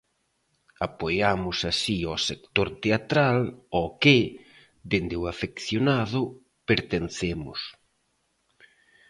Apoiamos así ao sector teatral ao que, dende o afeccionado, pertencemos.